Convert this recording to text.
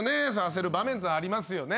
焦る場面ってありますよね。